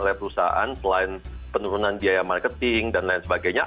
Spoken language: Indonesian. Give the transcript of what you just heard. oleh perusahaan selain penurunan biaya marketing dan lain sebagainya